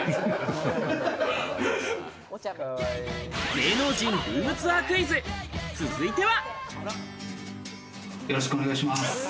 芸能人ルームツアークイズ、続いては。